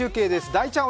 大ちゃん